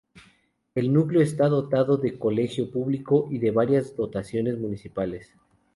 El núcleo está dotado de colegio público y de varias dotaciones municipales.